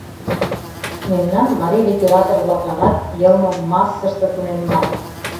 Мемнан марий литератор-влакланат йылмым массыште тунемман.